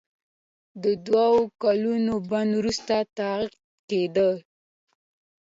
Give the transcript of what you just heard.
د دوه کلونو بند وروسته تقاعد کیدل.